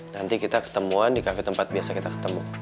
nanti kita ketemuan di kafe tempat biasa kita ketemu